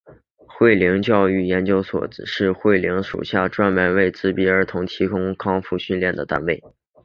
慧灵教育研究所是慧灵属下专门为自闭症儿童提供康复训练的单位。